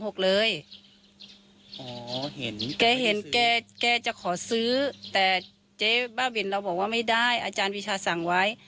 โอ้โหเห็นแกเห็นแกจะขอซื้อแต่เจ๊บ้าบินเราบอกว่าไม่ได้อาจารย์วิชาสั่งไว้